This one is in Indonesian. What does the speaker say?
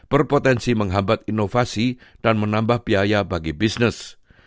berpotensi menghambat inovasi dan menambah biaya bagi bisnis